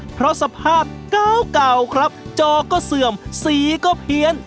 เพราะสภาพเก่าครับจอก็เสื่อมสีก็เพี้ยน